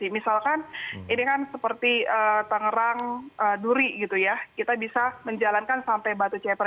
misalkan ini kan seperti tangerang duri gitu ya kita bisa menjalankan sampai batu ceper